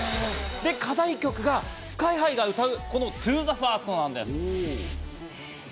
で、課題曲がＳＫＹ−ＨＩが歌うこの『ＴｏＴｈｅＦｉｒｓｔ』なんです。